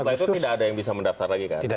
setelah itu tidak ada yang bisa mendaftar lagi kan